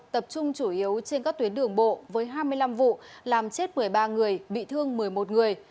tập trung chủ yếu trên các tuyến đường bộ với hai mươi năm vụ làm chết một mươi ba người bị thương một mươi một người